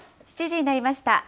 ７時になりました。